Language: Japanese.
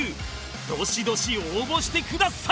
どしどし応募してください！